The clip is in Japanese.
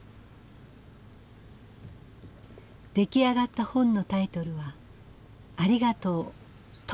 出来上がった本のタイトルは「ありがとうともこへ」。